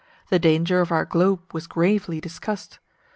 The danger of our globe was gravely discussed.